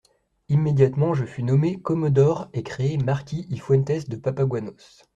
Immédiatement je fus nommé commodore et créé marquis y Fuentès de Papaguanos.